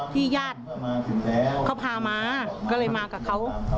ญาติเขาพามาก็เลยมากับเขา